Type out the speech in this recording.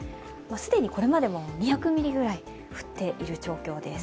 既にこれまでも２００ミリぐらい降っている状況です。